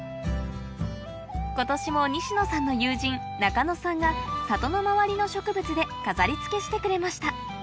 今年も西野さんの友人中野さんが里の周りの植物で飾り付けしてくれました